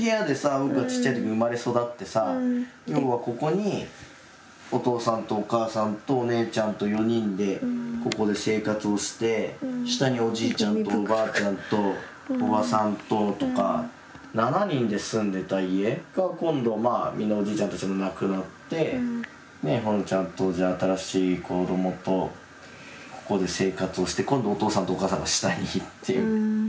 僕はちっちゃい時に生まれ育ってさ要はここにお父さんとお母さんとお姉ちゃんと４人でここで生活をして下におじいちゃんとおばあちゃんとおばさんととか７人で住んでた家が今度まあみんなおじいちゃんたちも亡くなってほのちゃんとじゃあ新しい子どもとここで生活をして今度お父さんとお母さんが下に行って。